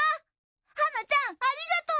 はなちゃんありがとう。